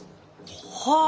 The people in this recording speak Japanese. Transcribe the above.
はあ！